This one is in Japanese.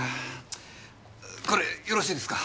これよろしいですか！？